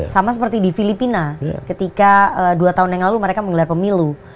sama seperti di filipina ketika dua tahun yang lalu mereka menggelar pemilu